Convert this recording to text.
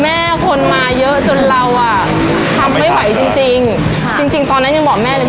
แม่คนมาเยอะจนเราอ่ะทำไม่ไหวจริงจริงค่ะจริงจริงตอนนั้นยังบอกแม่เลย